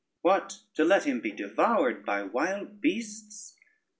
What, to let him be devoured by wild beasts!